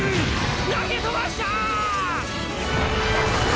投げ飛ばした‼